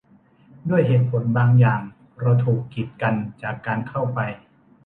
ด้วยเหตุผลบางอย่าง เราถูกกีดกันจากการเข้าไป